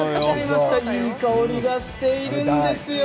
いい香りがしているんですよ。